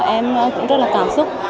em cũng rất là cảm xúc